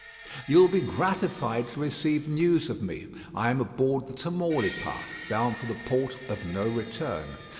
"You will be gratified to receive news of me. I am aboard the Tamaulipas, bound for the port of 'No return.'